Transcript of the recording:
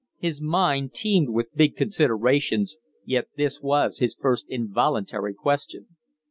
His mind teemed with big considerations, yet this was his first involuntary question.